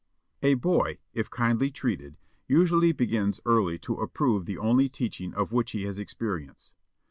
A boy, if kindly treated, usually begins early to approve the only teaching of which he has experience.